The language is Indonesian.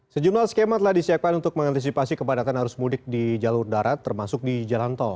sejumlah skema telah disiapkan untuk mengantisipasi kepadatan arus mudik di jalur darat termasuk di jalan tol